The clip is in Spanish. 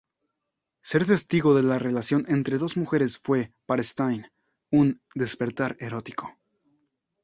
Ser testigo de la relación entre dos mujeres fue, para Stein, un "despertar erótico".